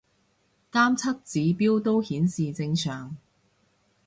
監測指標都顯示正常